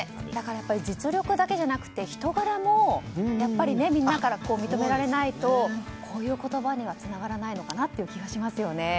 やっぱり実力だけじゃなくて人柄もみんなから認められないとこういう言葉にはつながらないのかなという気がしますよね。